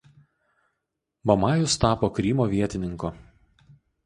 Mamajus tapo Krymo vietininku.